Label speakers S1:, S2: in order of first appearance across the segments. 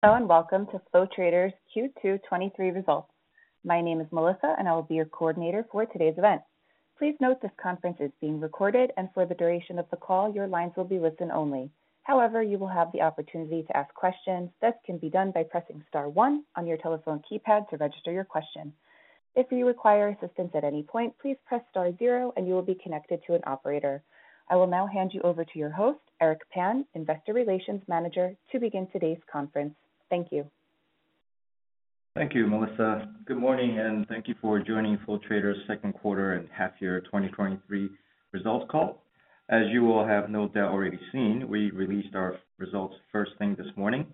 S1: Hello, and welcome to Flow Traders Q2 2023 results. My name is Melissa, and I will be your coordinator for today's event. Please note this conference is being recorded, and for the duration of the call, your lines will be listen only. However, you will have the opportunity to ask questions. This can be done by pressing star one on your telephone keypad to register your question. If you require assistance at any point, please press star zero, and you will be connected to an operator. I will now hand you over to your host, Eric Pan, Investor Relations Manager, to begin today's conference. Thank you.
S2: Thank you, Melissa. Good morning, and thank you for joining Flow Traders' Q2 and half year 2023 results call. As you all have no doubt already seen, we released our results first thing this morning.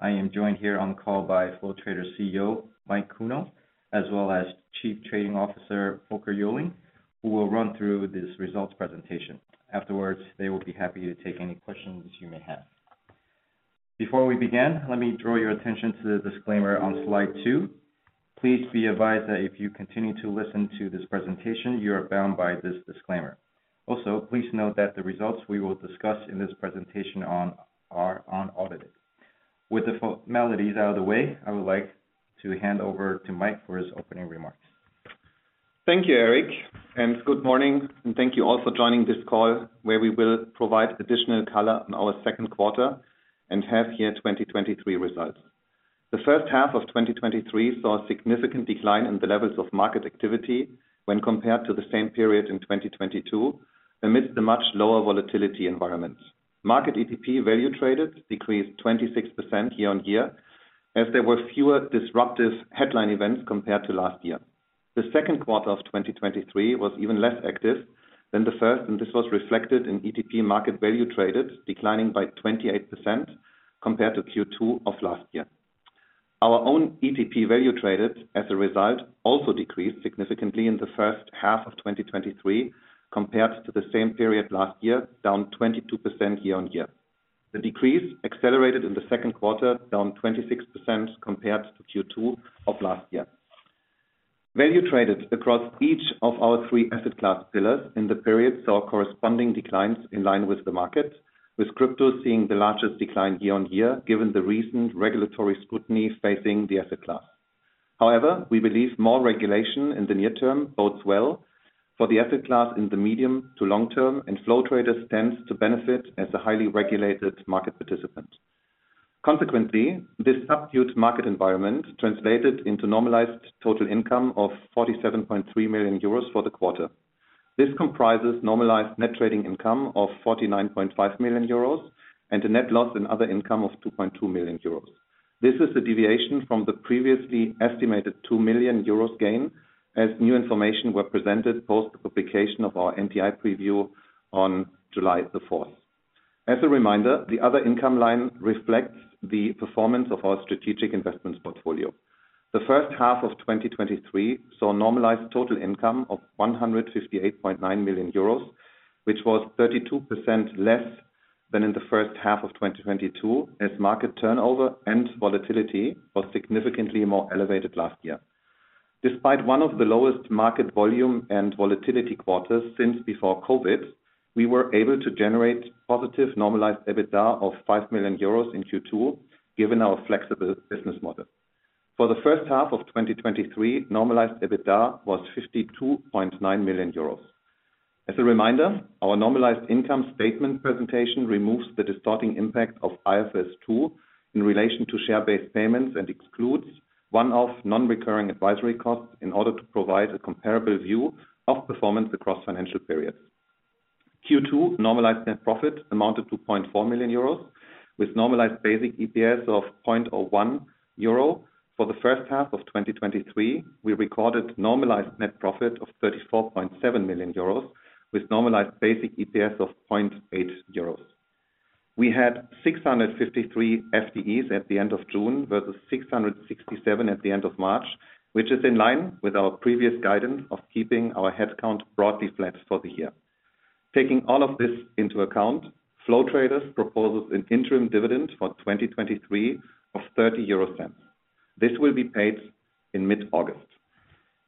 S2: I am joined here on the call by Flow Traders CEO, Mike Kuehnel, as well as Chief Trading Officer, Folkert Joling, who will run through this results presentation. Afterwards, they will be happy to take any questions you may have. Before we begin, let me draw your attention to the disclaimer on Slide 2. Please be advised that if you continue to listen to this presentation, you are bound by this disclaimer. Also, please note that the results we will discuss in this presentation are unaudited. With the formalities out of the way, I would like to hand over to Mike for his opening remarks.
S3: Thank you, Eric, good morning, and thank you all for joining this call, where we will provide additional color on our Q2 and half year 2023 results. The H1 of 2023 saw a significant decline in the levels of market activity when compared to the same period in 2022, amidst a much lower volatility environment. Market ETP value traded decreased 26% year-on-year, as there were fewer disruptive headline events compared to last year. The Q2 of 2023 was even less active than the first, and this was reflected in ETP market value traded, declining by 28% compared to Q2 of last year. Our own ETP value traded, as a result, also decreased significantly in the H1 of 2023, compared to the same period last year, down 22% year-on-year. The decrease accelerated in the Q2, down 26% compared to Q2 of last year. Value traded across each of our three asset class pillars in the period, saw corresponding declines in line with the market, with crypto seeing the largest decline year-on-year, given the recent regulatory scrutiny facing the asset class. We believe more regulation in the near term bodes well for the asset class in the medium to long term, and Flow Traders stands to benefit as a highly regulated market participant. This subdued market environment translated into Normalized Total Income of 47.3 million euros for the quarter. This comprises Normalized Net Trading Income of 49.5 million euros and a net loss in Other Income of 2.2 million euros. This is a deviation from the previously estimated 2 million euros gain, as new information were presented post the publication of our NTI preview on July 4th. As a reminder, the Other Income line reflects the performance of our strategic investments portfolio. The H1 of 2023 saw normalized total income of 158.9 million euros, which was 32% less than in the H1 of 2022, as market turnover and volatility was significantly more elevated last year. Despite one of the lowest market volume and volatility quarters since before COVID, we were able to generate positive Normalized EBITDA of 5 million euros in Q2, given our flexible business model. For the H1 of 2023, Normalized EBITDA was 52.9 million euros. As a reminder, our normalized income statement presentation removes the distorting impact of IFRS 2 in relation to share-based payments, and excludes one-off non-recurring advisory costs in order to provide a comparable view of performance across financial periods. Q2 normalized net profit amounted to 0.4 million euros, with normalized basic EPS of 0.01 euro. For the H1 of 2023, we recorded normalized net profit of 34.7 million euros, with normalized basic EPS of 0.8 euros. We had 653 FTEs at the end of June, versus 667 at the end of March, which is in line with our previous guidance of keeping our headcount broadly flat for the year. Taking all of this into account, Flow Traders proposes an interim dividend for 2023 of 0.30. This will be paid in mid-August.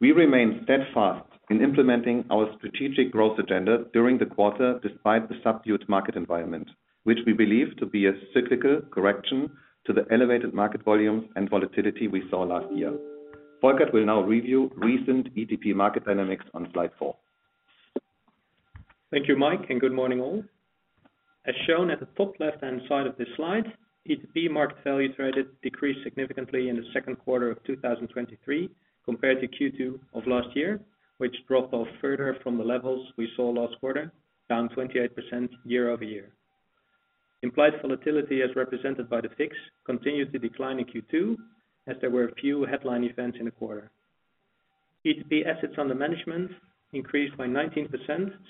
S3: We remain steadfast in implementing our strategic growth agenda during the quarter, despite the subdued market environment, which we believe to be a cyclical correction to the elevated market volumes and volatility we saw last year. Folkert will now review recent ETP market dynamics on slide four.
S4: Thank you, Mike, and good morning all. As shown at the top left-hand side of this slide, ETP market value traded decreased significantly in the Q2 of 2023, compared to Q2 of last year, which dropped off further from the levels we saw last quarter, down 28% year-over-year. Implied volatility, as represented by the VIX, continued to decline in Q2, as there were a few headline events in the quarter. ETP assets under management increased by 19%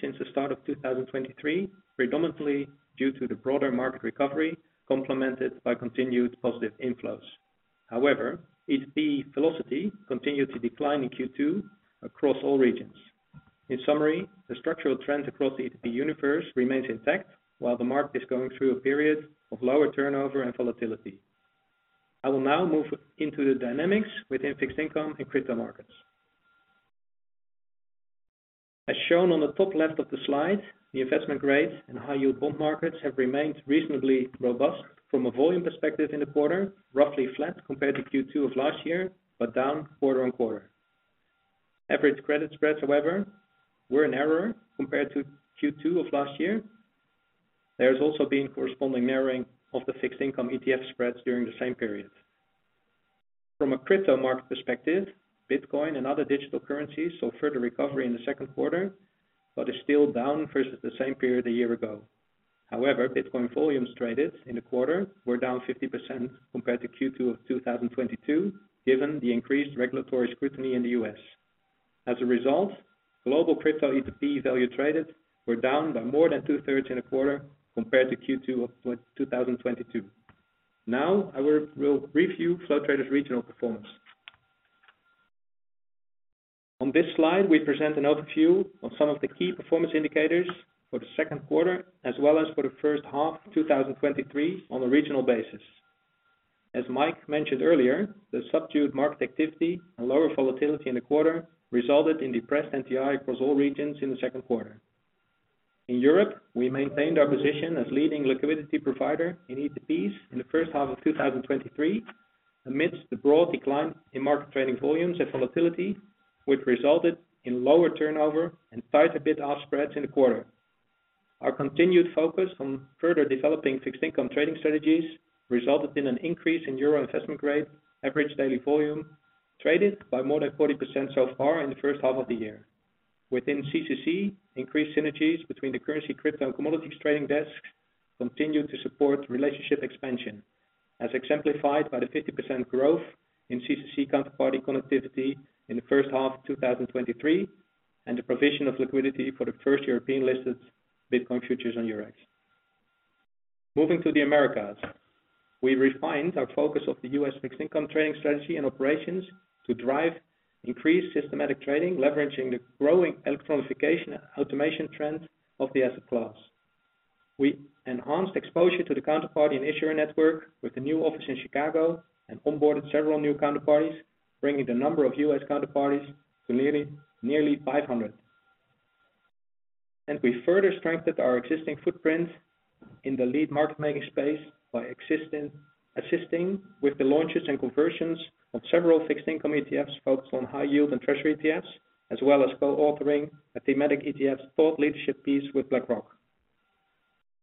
S4: since the start of 2023, predominantly due to the broader market recovery, complemented by continued positive inflows. However, ETP velocity continued to decline in Q2 across all regions. In summary, the structural trend across the ETP universe remains intact while the market is going through a period of lower turnover and volatility. I will now move into the dynamics within fixed income and crypto markets. As shown on the top left of the slide, the investment rates and high yield bond markets have remained reasonably robust from a volume perspective in the quarter, roughly flat compared to Q2 of last year, but down quarter-on-quarter. Average credit spreads, however, were narrower compared to Q2 of last year. There's also been corresponding narrowing of the fixed income ETF spreads during the same period. From a crypto market perspective, Bitcoin and other digital currencies saw further recovery in the Q2, but is still down versus the same period a year ago. However, Bitcoin volumes traded in the quarter were down 50% compared to Q2 of 2022, given the increased regulatory scrutiny in the US. Global crypto ETP value traded were down by more than two-thirds in a quarter compared to Q2 of 2022. I will review Flow Traders regional performance. On this slide, we present an overview of some of the key performance indicators for the Q2, as well as for the H1 of 2023 on a regional basis. Mike mentioned earlier, the subdued market activity and lower volatility in the quarter resulted in depressed NTI across all regions in the Q2. In Europe, we maintained our position as leading liquidity provider in ETPs in the H1 of 2023, amidst the broad decline in market trading volumes and volatility, which resulted in lower turnover and tighter bid-ask spreads in the quarter. Our continued focus on further developing fixed income trading strategies resulted in an increase in Euro Investment Grade, average daily volume traded by more than 40% so far in the H1 of the year. Within CCC, increased synergies between the currency, crypto, and commodities trading desks continued to support relationship expansion, as exemplified by the 50% growth in CCC counterparty connectivity in the H1 of 2023, and the provision of liquidity for the first European-listed Bitcoin futures on Eurex. Moving to the Americas, we refined our focus of the US fixed income trading strategy and operations to drive increased systematic trading, leveraging the growing electronification automation trend of the asset class. We enhanced exposure to the counterparty and issuer network with a new office in Chicago, and onboarded several new counterparties, bringing the number of US counterparties to nearly 500. We further strengthened our existing footprint in the lead market making space by assisting with the launches and conversions of several fixed income ETFs focused on high yield and treasury ETFs, as well as co-authoring a thematic ETF thought leadership piece with BlackRock.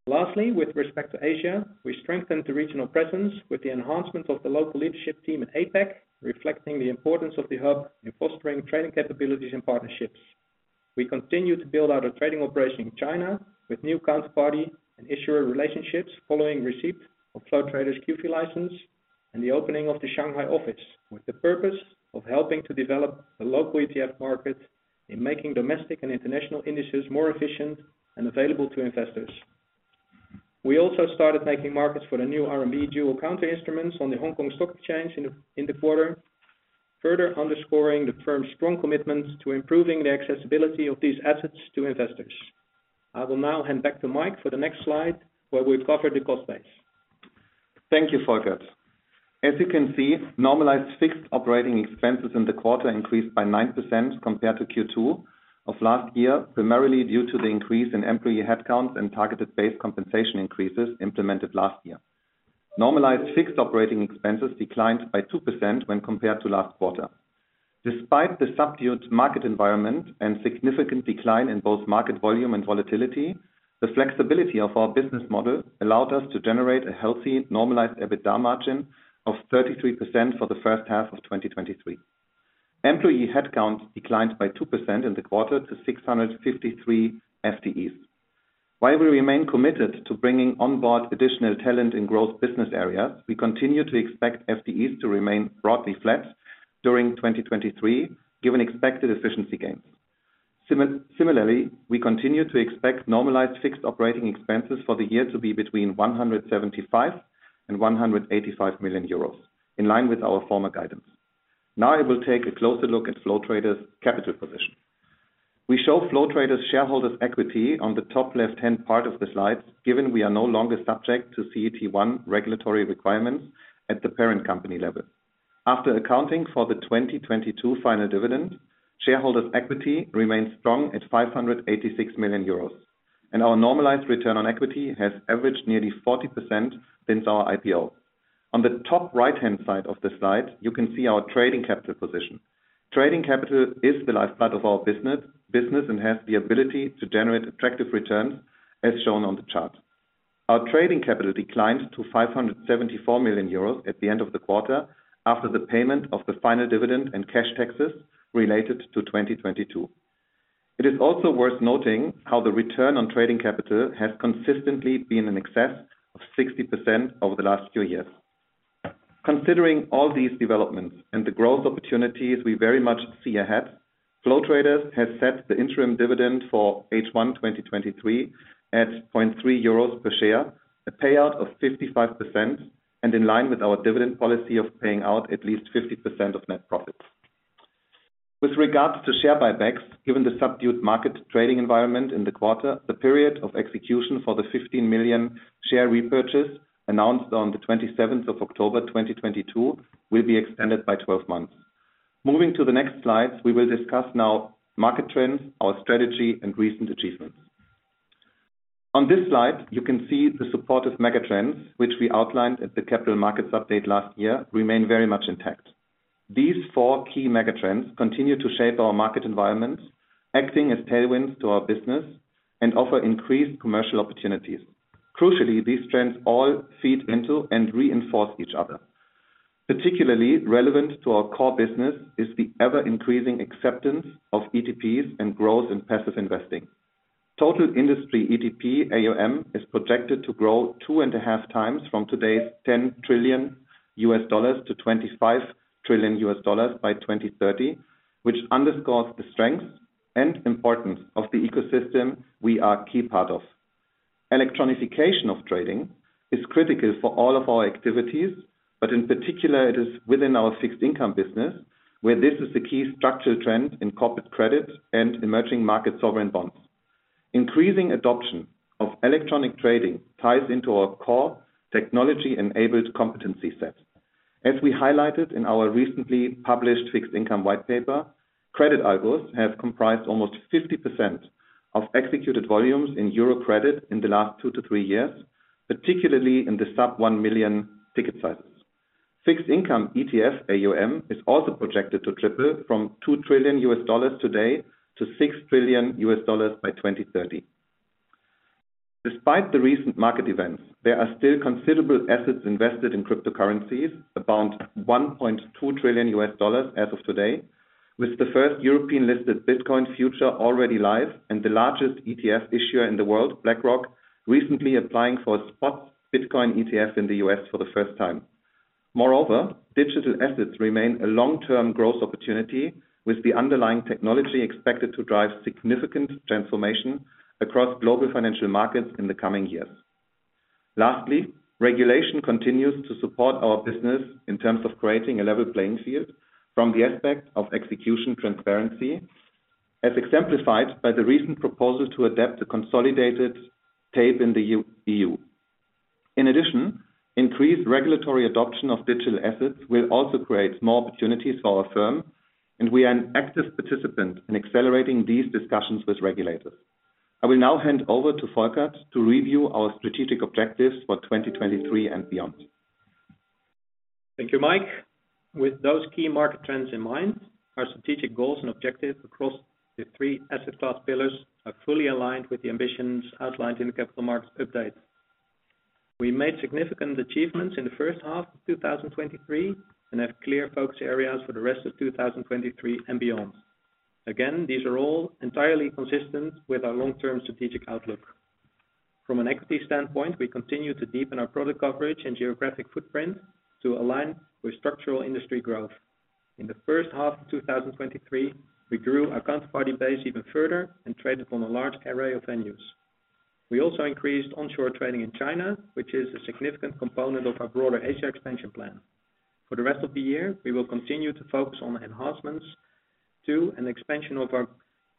S4: Lastly, with respect to Asia, we strengthened the regional presence with the enhancement of the local leadership team at APAC, reflecting the importance of the hub in fostering trading capabilities and partnerships. We continue to build out a trading operation in China with new counterparty and issuer relationships, following receipt of Flow Traders QF license, and the opening of the Shanghai office, with the purpose of helping to develop the local ETF market in making domestic and international indices more efficient and available to investors. We also started making markets for the new RMB dual counter instruments on the Hong Kong Stock Exchange in the quarter, further underscoring the firm's strong commitment to improving the accessibility of these assets to investors. I will now hand back to Mike for the next slide, where we'll cover the cost base.
S3: Thank you, Folkert. As you can see, normalized fixed operating expenses in the quarter increased by 9% compared to Q2 of last year, primarily due to the increase in employee headcount and targeted base compensation increases implemented last year. Normalized fixed operating expenses declined by 2% when compared to last quarter. Despite the subdued market environment and significant decline in both market volume and volatility, the flexibility of our business model allowed us to generate a healthy, normalized, EBITDA margin of 33% for the H1 of 2023. Employee headcount declined by 2% in the quarter to 653 FTEs. While we remain committed to bringing on board additional talent in growth business areas, we continue to expect FTEs to remain broadly flat during 2023, given expected efficiency gains. Similarly, we continue to expect normalized fixed operating expenses for the year to be between 175 million and 185 million euros, in line with our former guidance. Now I will take a closer look at Flow Traders' capital position. We show Flow Traders' shareholders' equity on the top left-hand part of the slide, given we are no longer subject to CET1 regulatory requirements at the parent company level. After accounting for the 2022 final dividend, shareholders' equity remains strong at 586 million euros, and our normalized return on equity has averaged nearly 40% since our IPO. On the top right-hand side of the slide, you can see our trading capital position. Trading capital is the lifeblood of our business, and has the ability to generate attractive returns, as shown on the chart. Our trading capital declined to 574 million euros at the end of the quarter, after the payment of the final dividend and cash taxes related to 2022. It is also worth noting how the return on trading capital has consistently been in excess of 60% over the last few years. Considering all these developments and the growth opportunities we very much see ahead, Flow Traders has set the interim dividend for H1 2023 at 0.3 euros per share, a payout of 55%, and in line with our dividend policy of paying out at least 50% of net profits. With regards to share buybacks, given the subdued market trading environment in the quarter, the period of execution for the 15 million share repurchase announced on the 27th of October 2022, will be extended by 12 months. Moving to the next slide, we will discuss now market trends, our strategy, and recent achievements. On this slide, you can see the supportive megatrends, which we outlined at the capital markets update last year, remain very much intact. These four key megatrends continue to shape our market environments, acting as tailwinds to our business and offer increased commercial opportunities. Crucially, these trends all feed into and reinforce each other. Particularly relevant to our core business is the ever-increasing acceptance of ETPs and growth in passive investing. Total industry ETP AUM is projected to grow two and a half times from today's $10 trillion to $25 trillion by 2030, which underscores the strength and importance of the ecosystem we are a key part of. Electronification of trading is critical for all of our activities, but in particular, it is within our fixed income business, where this is the key structural trend in corporate credit and emerging market sovereign bonds. Increasing adoption of electronic trading ties into our core technology-enabled competency set. As we highlighted in our recently published fixed income white paper, credit algos have comprised almost 50% of executed volumes in Euro credit in the last two to three years, particularly in the sub 1 million ticket sizes. Fixed income ETF AUM is also projected to triple from $2 trillion today to $6 trillion by 2030. Despite the recent market events, there are still considerable assets invested in cryptocurrencies, about $1.2 trillion as of today, with the first European-listed Bitcoin future already live, and the largest ETF issuer in the world, BlackRock, recently applying for a spot Bitcoin ETF in the US for the first time. Moreover, digital assets remain a long-term growth opportunity, with the underlying technology expected to drive significant transformation across global financial markets in the coming years. Lastly, regulation continues to support our business in terms of creating a level playing field from the aspect of execution transparency, as exemplified by the recent proposal to adapt a consolidated tape in the EU. In addition, increased regulatory adoption of digital assets will also create more opportunities for our firm, and we are an active participant in accelerating these discussions with regulators. I will now hand over to Folkert to review our strategic objectives for 2023 and beyond.
S4: Thank you, Mike. With those key market trends in mind, our strategic goals and objectives across the three asset class pillars are fully aligned with the ambitions outlined in the capital markets update. We made significant achievements in the H1 of 2023, and have clear focus areas for the rest of 2023 and beyond. Again, these are all entirely consistent with our long-term strategic outlook. From an equity standpoint, we continue to deepen our product coverage and geographic footprint to align with structural industry growth. In the H1 of 2023, we grew our counterparty base even further and traded on a large array of venues. We also increased onshore trading in China, which is a significant component of our broader Asia expansion plan. For the rest of the year, we will continue to focus on enhancements to an expansion of our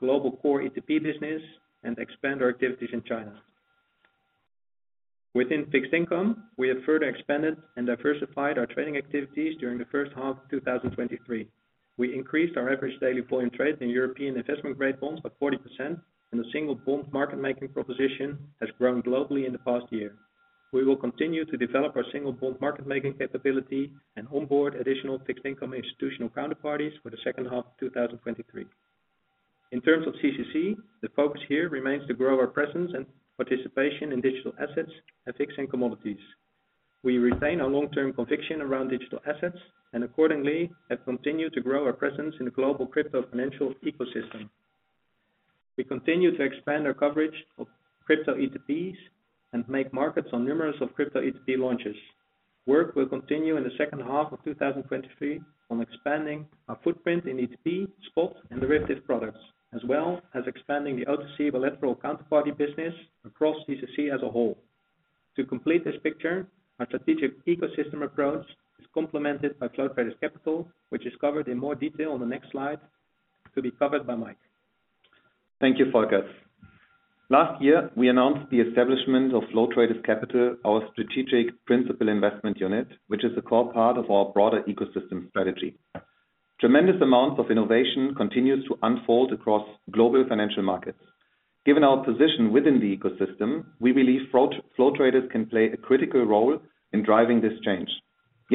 S4: global core ETP business and expand our activities in China. Within fixed income, we have further expanded and diversified our trading activities during the H1 of 2023. We increased our average daily volume trade in Euro Investment Grade bonds by 40%, and the single bond market making proposition has grown globally in the past year. We will continue to develop our single bond market making capability and onboard additional fixed income institutional counterparties for the H2 of 2023. In terms of CCC, the focus here remains to grow our presence and participation in digital assets and fixing commodities. We retain our long-term conviction around digital assets, and accordingly, have continued to grow our presence in the global crypto financial ecosystem. We continue to expand our coverage of crypto ETPs and make markets on numerous of crypto ETP launches. Work will continue in the H2 of 2023 on expanding our footprint in ETP, spot, and derivative products, as well as expanding the OTC bilateral counterparty business across CCC as a whole. To complete this picture, our strategic ecosystem approach is complemented by Flow Traders Capital, which is covered in more detail on the next slide, to be covered by Mike.
S3: Thank you, Folkert. Last year, we announced the establishment of Flow Traders Capital, our strategic principal investment unit, which is a core part of our broader ecosystem strategy. Tremendous amounts of innovation continues to unfold across global financial markets. Given our position within the ecosystem, we believe Flow Traders can play a critical role in driving this change.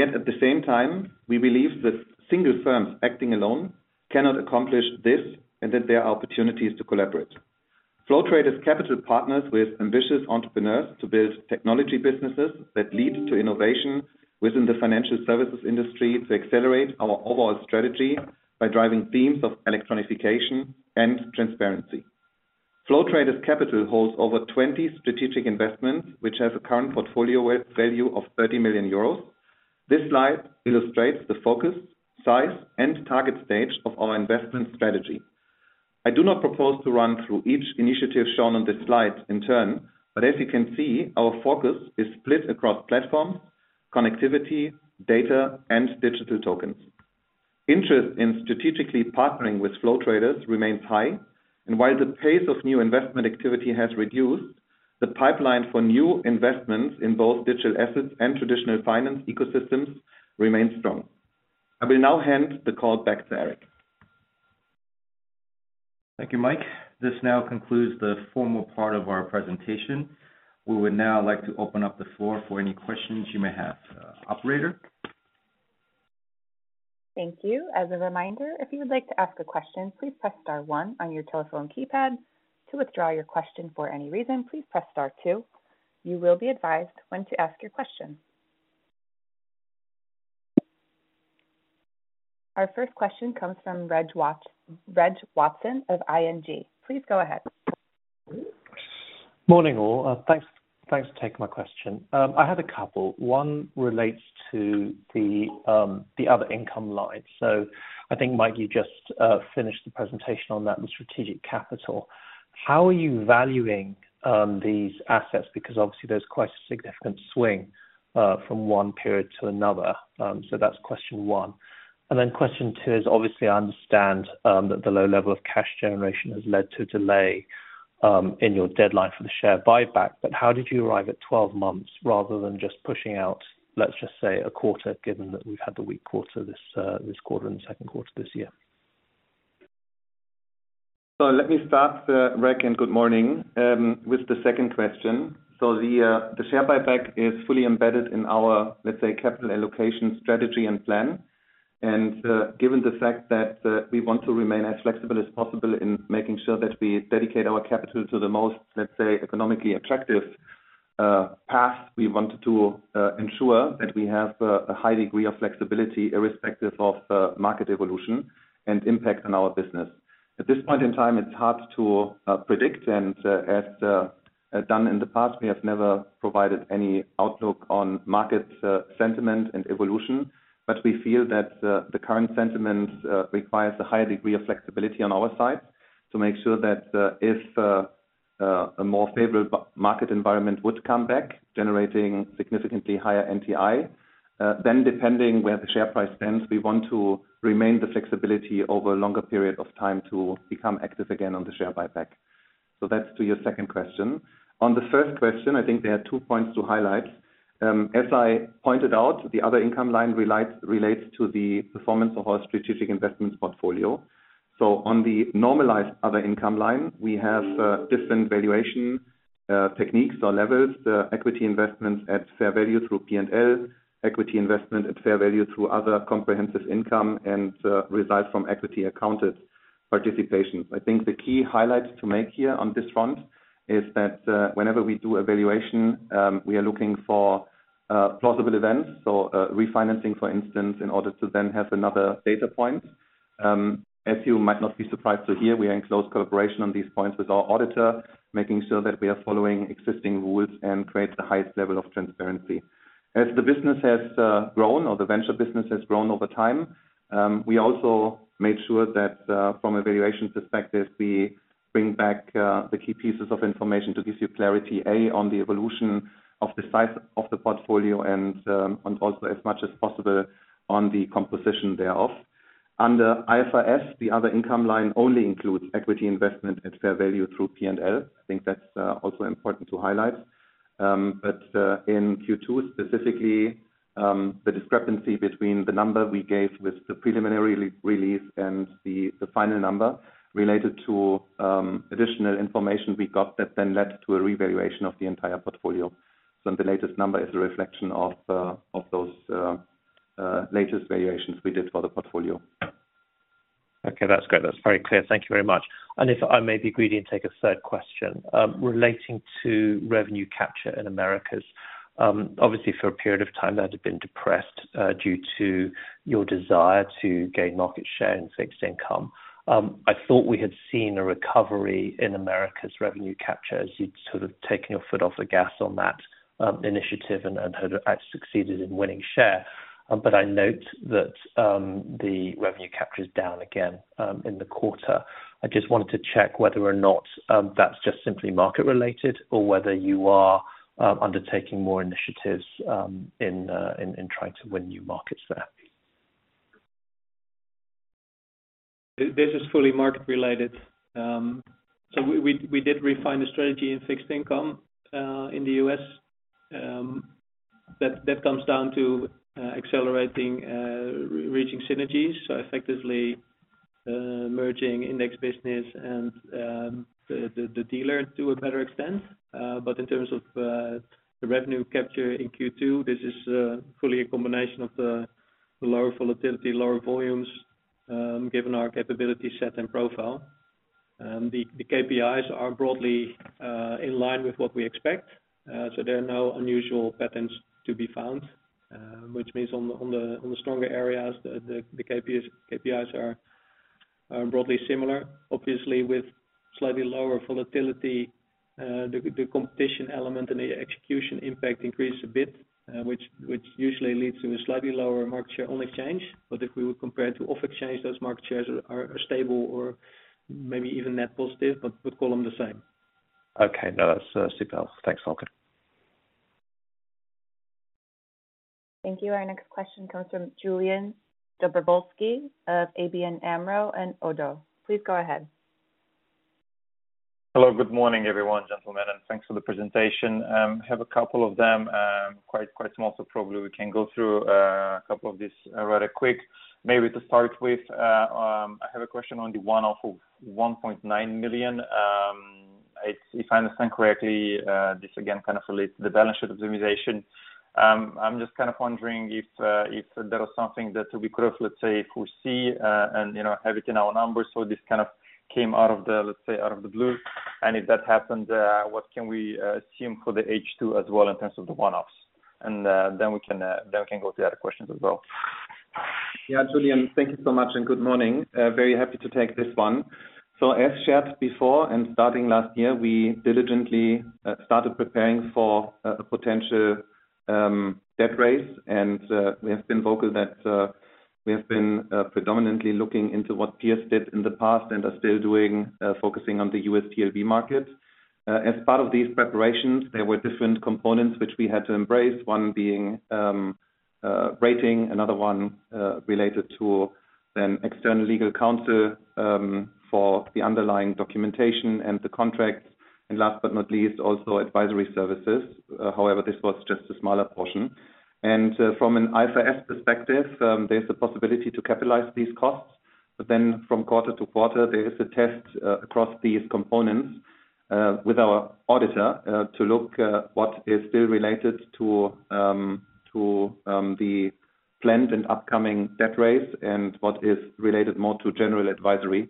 S3: At the same time, we believe that single firms acting alone cannot accomplish this and that there are opportunities to collaborate. Flow Traders Capital partners with ambitious entrepreneurs to build technology businesses that lead to innovation within the financial services industry, to accelerate our overall strategy by driving themes of electronification and transparency. Flow Traders Capital holds over 20 strategic investments, which has a current portfolio worth value of 30 million euros. This slide illustrates the focus, size, and target stage of our investment strategy. I do not propose to run through each initiative shown on this slide in turn, but as you can see, our focus is split across platforms, connectivity, data, and digital tokens. Interest in strategically partnering with Flow Traders remains high, and while the pace of new investment activity has reduced, the pipeline for new investments in both digital assets and traditional finance ecosystems remains strong. I will now hand the call back to Eric. Thank you, Mike. This now concludes the formal part of our presentation. We would now like to open up the floor for any questions you may have. Operator?
S1: Thank you. As a reminder, if you would like to ask a question, please press star one on your telephone keypad. To withdraw your question for any reason, please press star two. You will be advised when to ask your question. Our first question comes from Reg Watson of ING. Please go ahead.
S5: Morning, all. Thanks for taking my question. I had a couple. One relates to the Other Income line. I think, Mike, you just finished the presentation on that, the strategic capital. How are you valuing these assets? Obviously there's quite a significant swing from one period to another. That's question one. Question two is, obviously I understand that the low level of cash generation has led to a delay in your deadline for the share buyback. How did you arrive at 12 months rather than just pushing out, let's just say, a quarter, given that we've had the weak quarter this quarter and the Q2 this year?
S3: Let me start, Reg, and good morning, with the second question. The share buyback is fully embedded in our, let's say, capital allocation strategy and plan. Given the fact that we want to remain as flexible as possible in making sure that we dedicate our capital to the most, let's say, economically attractive path, we want to ensure that we have a high degree of flexibility, irrespective of market evolution and impact on our business. At this point in time, it's hard to predict, and as done in the past, we have never provided any outlook on markets, sentiment and evolution. We feel that the current sentiment requires a higher degree of flexibility on our side to make sure that if a more favorable market environment would come back, generating significantly higher NTI, then depending where the share price stands, we want to remain the flexibility over a longer period of time to become active again on the share buyback. That's to your second question. On the first question, I think there are two points to highlight. As I pointed out, the Other Income line relates to the performance of our strategic investments portfolio. On the normalized Other Income line, we have different valuation techniques or levels, the equity investments at fair value through P&L, equity investment at fair value through other comprehensive income, and results from equity accounted participation. I think the key highlight to make here on this front is that, whenever we do a valuation, we are looking for plausible events, so refinancing, for instance, in order to then have another data point. As you might not be surprised to hear, we are in close cooperation on these points with our auditor, making sure that we are following existing rules and create the highest level of transparency. As the business has grown, or the venture business has grown over time, we also made sure that from a valuation perspective, we bring back the key pieces of information to give you clarity, A, on the evolution of the size of the portfolio and also as much as possible on the composition thereof. Under IFRS, the Other Income line only includes equity investment at fair value through P&L. I think that's also important to highlight. In Q2, specifically, the discrepancy between the number we gave with the preliminary re-release and the final number related to additional information we got that then led to a revaluation of the entire portfolio. The latest number is a reflection of those latest valuations we did for the portfolio.
S5: Okay, that's great. That's very clear. Thank you very much. If I may be greedy and take a third question, relating to revenue capture in Americas. Obviously, for a period of time, that had been depressed, due to your desire to gain market share in fixed income. I thought we had seen a recovery in America's revenue capture as you'd sort of taken your foot off the gas on that, initiative and had actually succeeded in winning share. But I note that the revenue capture is down again in the quarter. I just wanted to check whether or not that's just simply market-related, or whether you are undertaking more initiatives in in trying to win new markets there.
S4: This is fully market-related. We did refine the strategy in fixed income in the US. That comes down to accelerating reaching synergies, so effectively merging index business and the dealer to a better extent. In terms of the revenue capture in Q2, this is fully a combination of the lower volatility, lower volumes, given our capability, set, and profile. The KPIs are broadly in line with what we expect, so there are no unusual patterns to be found, which means on the stronger areas, the KPIs are broadly similar. Obviously, with slightly lower volatility, the, the competition element and the execution impact increase a bit, which, which usually leads to a slightly lower market share on exchange. If we were compared to off exchange, those market shares are, are stable or maybe even net positive, but we'd call them the same.
S5: Okay. No, that's super. Thanks, Folkert.
S1: Thank you. Our next question comes from Julian Dobrovolsky of ABN AMRO and ODO. Please go ahead.
S6: Hello, good morning, everyone, gentlemen, and thanks for the presentation. Have a couple of them, quite, quite small, so probably we can go through a couple of these rather quick. Maybe to start with, I have a question on the one of 1.9 million. It's, if I understand correctly, this again, kind of relates to the balance sheet optimization. I'm just kind of wondering if there was something that we could, let's say, foresee, and, you know, have it in our numbers, so this kind of came out of the, let's say, out of the blue. If that happened, what can we assume for the H2 as well in terms of the one-offs? Then we can then we can go to the other questions as well.
S3: Yeah, Julian, thank you so much. Good morning. Very happy to take this one. As shared before and starting last year, we diligently started preparing for a potential debt raise. We have been vocal that we have been predominantly looking into what peers did in the past and are still doing, focusing on the US TLB market. As part of these preparations, there were different components which we had to embrace, one being rating, another one related to an external legal counsel for the underlying documentation and the contract, and last but not least, also advisory services. However, this was just a smaller portion. From an IFRS perspective, there's a possibility to capitalize these costs. Then from quarter-to-quarter, there is a test across these components with our auditor to look what is still related to the planned and upcoming debt raise and what is related more to general advisory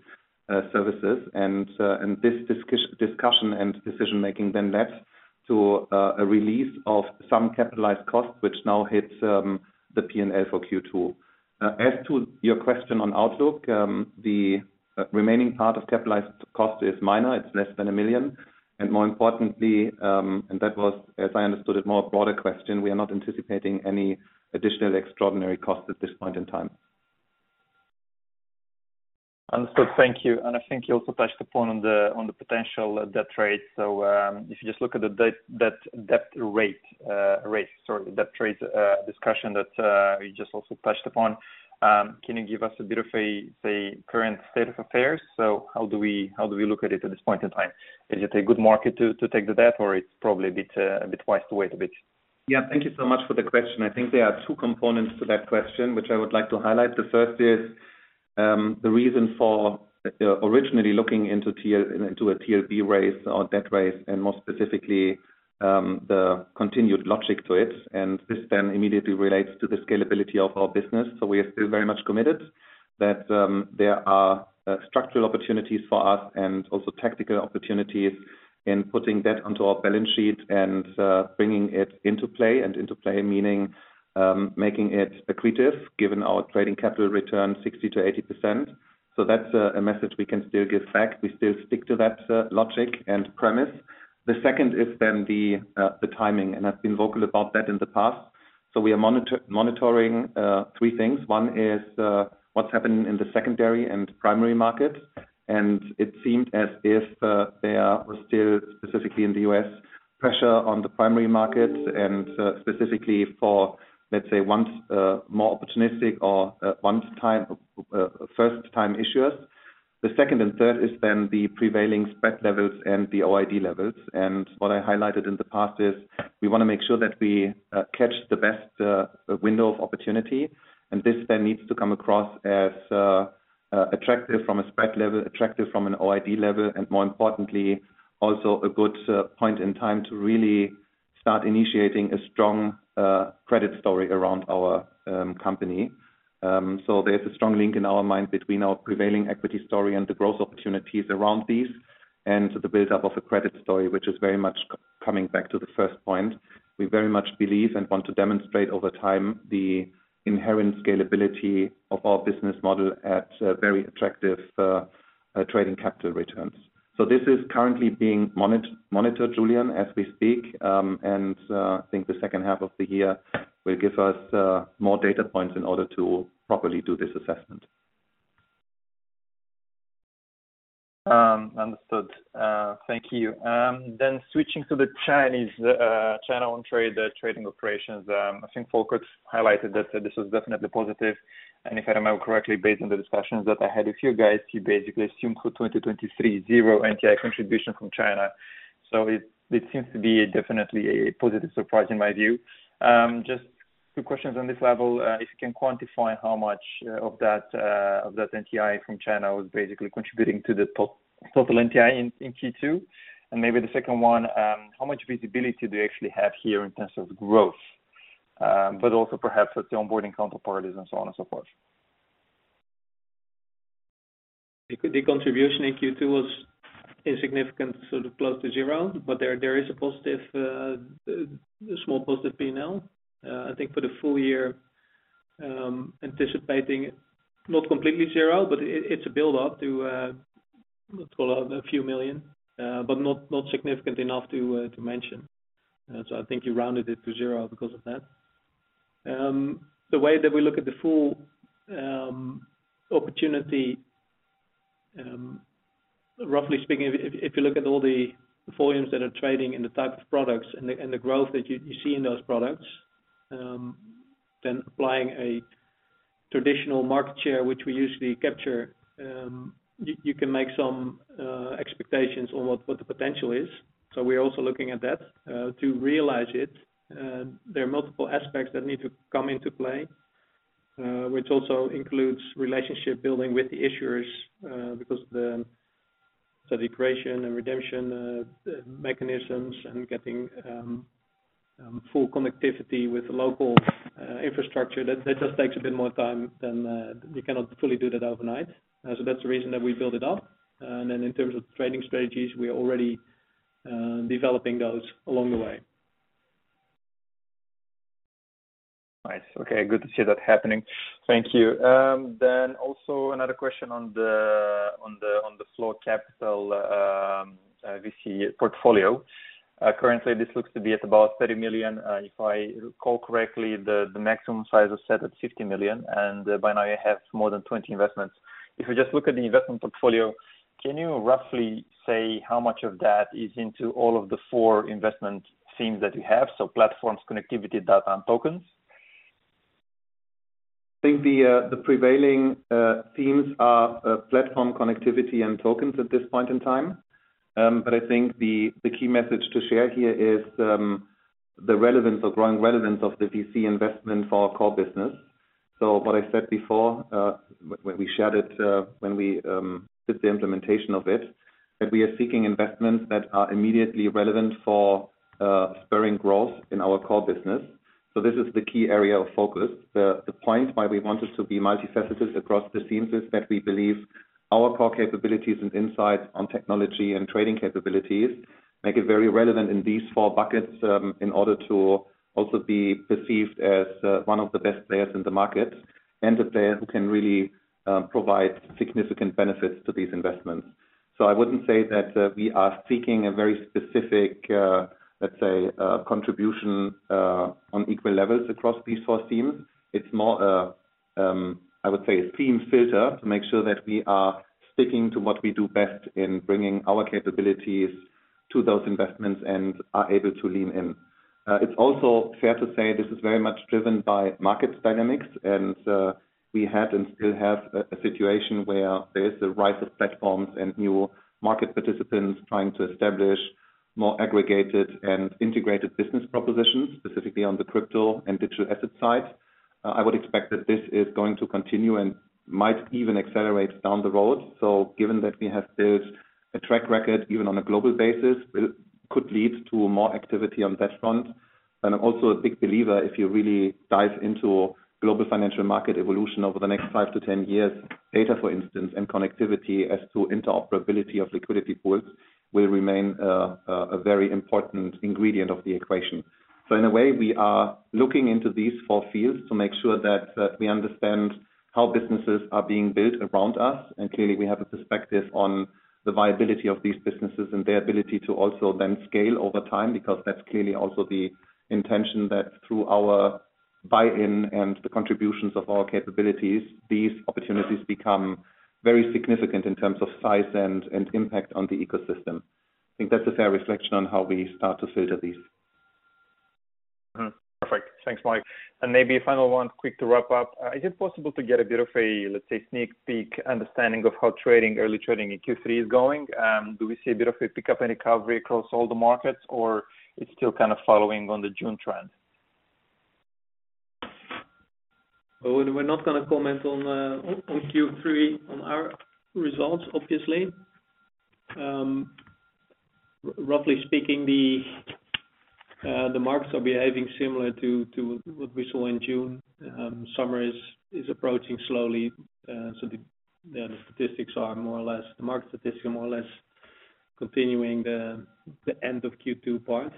S3: services. This discussion and decision making then led to a release of some capitalized costs, which now hits the P&L for Q2. As to your question on outlook, the remaining part of capitalized cost is minor. It's less than 1 million, and more importantly, and that was, as I understood it, more broader question, we are not anticipating any additional extraordinary costs at this point in time.
S6: Understood. Thank you. I think you also touched upon on the, on the potential of debt trade. If you just look at the sorry, debt trade discussion that, you just also touched upon, can you give us a bit of a, say, current state of affairs? How do we, how do we look at it at this point in time? Is it a good market to, to take the debt, or it's probably a bit, a bit wise to wait a bit?
S3: Yeah, thank you so much for the question. I think there are two components to that question, which I would like to highlight. The first is the reason for originally looking into TL, into a TLB raise or debt raise, and more specifically, the continued logic to it, and this then immediately relates to the scalability of our business. We are still very much committed that there are structural opportunities for us and also tactical opportunities in putting debt onto our balance sheet and bringing it into play, and into play, meaning, making it accretive, given our trading capital return 60%-80%. That's a message we can still give back. We still stick to that logic and premise. The second is then the timing, and I've been vocal about that in the past. We are monitoring three things. One is what's happening in the secondary and primary markets, it seemed as if there was still, specifically in the US, pressure on the primary markets and specifically for, let's say, once, more opportunistic or 1 time, first time issuers. The second and third is the prevailing spread levels and the OID levels. What I highlighted in the past is we wanna make sure that we catch the best window of opportunity, and this needs to come across as attractive from a spread level, attractive from an OID level, and more importantly, also a good point in time to really start initiating a strong credit story around our company. There's a strong link in our mind between our prevailing equity story and the growth opportunities around these, and the build-up of a credit story, which is very much coming back to the first point. We very much believe and want to demonstrate over time, the inherent scalability of our business model at very attractive trading capital returns. This is currently being monitored, Julian, as we speak. I think the H2 of the year will give us more data points in order to properly do this assessment.
S6: Understood. Thank you. Then switching to the Chinese channel and trade, the trading operations, I think Folkert highlighted that this was definitely positive. If I remember correctly, based on the discussions that I had with you guys, you basically assumed for 2023, zero NTI contribution from China. It, it seems to be definitely a positive surprise, in my view. Just two questions on this level. If you can quantify how much of that NTI from China was basically contributing to the total NTI in Q2? Maybe the second one, how much visibility do you actually have here in terms of growth, but also perhaps with the onboarding counterparties and so on and so forth?
S4: The contribution in Q2 was insignificant, sort of close to 0, but there is a positive, a small positive P&L. I think for the full year, anticipating not completely 0, but it's a build-up to, let's call it a few million, but not significant enough to, to mention. I think you rounded it to 0 because of that. The way that we look at the full opportunity, roughly speaking, if you look at all the volumes that are trading and the type of products and the growth that you see in those products, then applying traditional market share, which we usually capture, you can make some expectations on what the potential is. We're also looking at that, to realize it. There are multiple aspects that need to come into play, which also includes relationship building with the issuers, because the creation and redemption mechanisms and getting full connectivity with the local infrastructure, that just takes a bit more time than we cannot fully do that overnight. That's the reason that we build it up. In terms of trading strategies, we are already developing those along the way.
S6: Nice. Okay, good to see that happening. Thank you. Also another question on the, on the, on the flow capital VC portfolio. Currently, this looks to be at about 30 million. If I recall correctly, the, the maximum size is set at 50 million, and by now you have more than 20 investments. If you just look at the investment portfolio, can you roughly say how much of that is into all of the four investment themes that you have? So platforms, connectivity, data, and tokens.
S3: I think the, the prevailing themes are platform connectivity and tokens at this point in time. I think the, the key message to share here is the relevance of growing relevance of the VC investment for our core business. What I said before, when, when we shared it, when we did the implementation of it, that we are seeking investments that are immediately relevant for spurring growth in our core business. This is the key area of focus. The, the point why we want us to be multifaceted across the themes is that we believe our core capabilities and insights on technology and trading capabilities make it very relevant in these four buckets, in order to also be perceived as one of the best players in the market, and the player who can really provide significant benefits to these investments. I wouldn't say that we are seeking a very specific, let's say, contribution, on equal levels across these four themes. It's more, I would say a theme filter to make sure that we are sticking to what we do best in bringing our capabilities to those investments and are able to lean in. It's also fair to say this is very much driven by market dynamics, and we had and still have a situation where there is a rise of platforms and new market participants trying to establish more aggregated and integrated business propositions, specifically on the crypto and digital asset side. I would expect that this is going to continue and might even accelerate down the road. Given that we have built a track record, even on a global basis, could lead to more activity on that front. I'm also a big believer, if you really dive into global financial market evolution over the next five - 10 years, data, for instance, and connectivity as to interoperability of liquidity pools, will remain a very important ingredient of the equation. In a way, we are looking into these four fields to make sure that we understand how businesses are being built around us. Clearly, we have a perspective on the viability of these businesses and their ability to also then scale over time, because that's clearly also the intention that through our buy-in and the contributions of our capabilities, these opportunities become very significant in terms of size and, and impact on the ecosystem. I think that's a fair reflection on how we start to filter these.
S6: Perfect. Thanks, Mike. Maybe a final one, quick to wrap up. Is it possible to get a bit of a, let's say, sneak peek understanding of how trading, early trading in Q3 is going? Do we see a bit of a pickup and recovery across all the markets, or it's still kind of following on the June trend?
S4: Oh, we're not gonna comment on Q3, on our results, obviously. Roughly speaking, the markets are behaving similar to what we saw in June. Summer is approaching slowly, so the statistics are more or less, the market statistics are more or less continuing the end of Q2 part.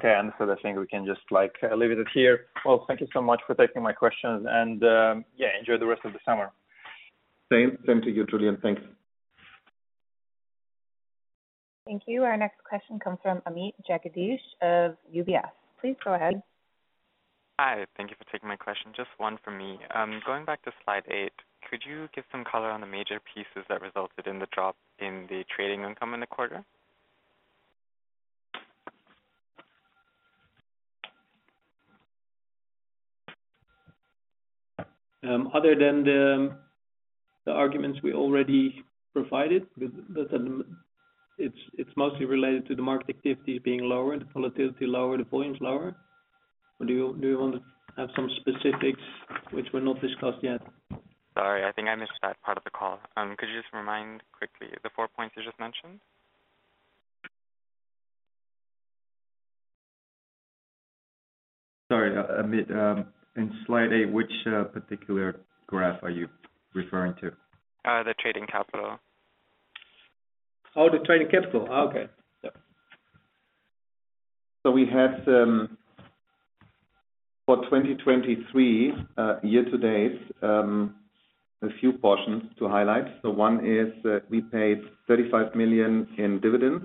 S6: Okay, understood. I think we can just, like, leave it at here. Well, thank you so much for taking my questions, and, yeah, enjoy the rest of the summer.
S3: Same to you, Julian. Thank you.
S1: Thank you. Our next question comes from Karanam Jagadish of UBS. Please go ahead.
S7: Hi, thank you for taking my question. Just one from me. Going back to slide eight, could you give some color on the major pieces that resulted in the drop in the trading income in the quarter?
S4: Other than the arguments we already provided, with that, it's mostly related to the market activity being lower, the volatility lower, the volume lower. Do you want to have some specifics which were not discussed yet?
S7: Sorry, I think I missed that part of the call. Could you just remind quickly the 4 points you just mentioned?
S3: Sorry, Karanam, in slide 8, which particular graph are you referring to?
S7: The trading capital.
S4: Oh, the trading capital. Okay. Yeah.
S3: We had for 2023 year to date a few portions to highlight. One is that we paid 35 million in dividends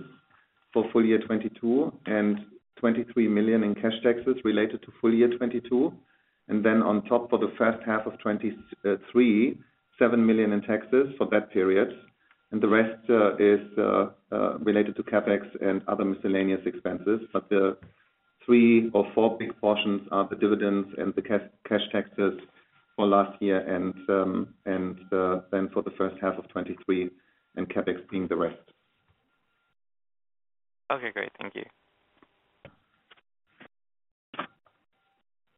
S3: for full year 2022, and 23 million in cash taxes related to full year 2022. On top for the H1 of 2023, 7 million in taxes for that period. The rest is related to CapEx and other miscellaneous expenses. The three or four big portions are the dividends and the cash, cash taxes for last year, then for the H1 of 2023, and CapEx being the rest.
S7: Okay, great. Thank you.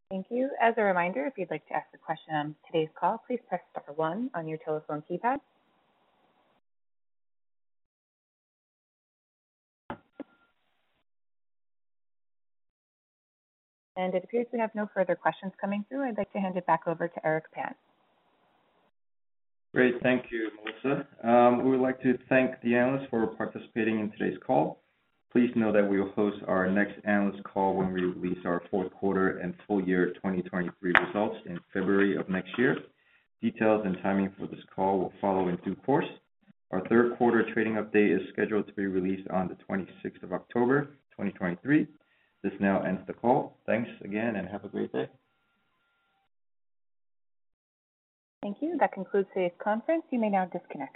S1: Thank you. As a reminder, if you'd like to ask a question on today's call, please press star one on your telephone keypad. It appears we have no further questions coming through. I'd like to hand it back over to Eric Pan.
S2: Great. Thank you, Melissa. We would like to thank the analysts for participating in today's call. Please know that we will host our next analyst call when we release our Q4 and full year 2023 results in February of next year. Details and timing for this call will follow in due course. Our Q3 trading update is scheduled to be released on the 26 October 2023. This now ends the call. Thanks again, and have a great day.
S1: Thank you. That concludes today's conference. You may now disconnect.